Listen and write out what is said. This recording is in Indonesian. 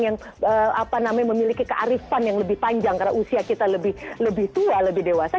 yang memiliki kearifan yang lebih panjang karena usia kita lebih tua lebih dewasa